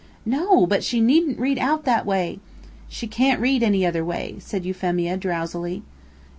"No; but she needn't read out that way." "She can't read any other way," said Euphemia, drowsily.